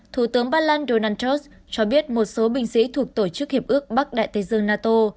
thủ tướng bà lan donantos cho biết một số binh sĩ thuộc tổ chức hiệp ước bắc đại tây dương nato